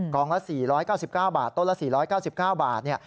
ละ๔๙๙บาทต้นละ๔๙๙บาท